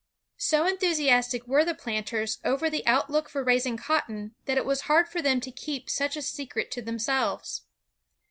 So enthusiastic were the planters over the outlook for raising cotton, that it was hard for them to keep such a secret to themselves.